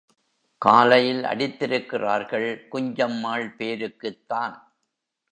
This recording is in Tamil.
காலையில் அடித்திருக்கிறார்கள் குஞ்சம்மாள் பேருக்குத்தான்.